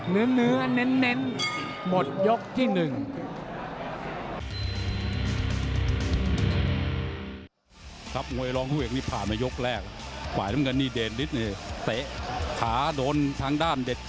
เนื้อเน้น